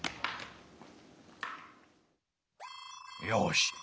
よし。